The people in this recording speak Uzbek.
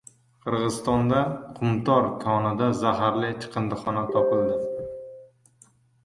Qirg‘izistonda «Qumtor» konida zaharli chiqindixona topildi